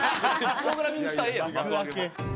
プログラミングしたらええやん幕開けも。